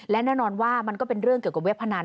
และแน่นอนว่ามันก็เป็นเรื่องเกี่ยวกับเว็บพนัน